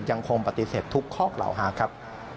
ยังคงปฏิเสธทุกข้อกล่าวหาครับ